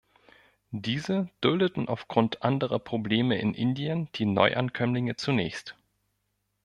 Diese duldeten aufgrund anderer Probleme in Indien die Neuankömmlinge zunächst.